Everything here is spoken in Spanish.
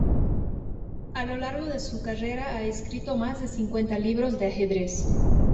A lo largo de su carrera ha escrito más de cincuenta libros de ajedrez.